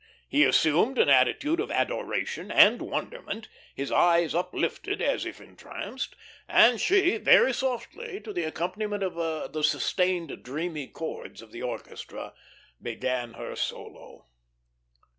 He assumed an attitude of adoration and wonderment, his eyes uplifted as if entranced, and she, very softly, to the accompaniment of the sustained, dreamy chords of the orchestra, began her solo.